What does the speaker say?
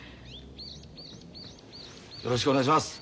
よろしくお願いします。